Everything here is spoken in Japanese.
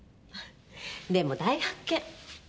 でも大発見。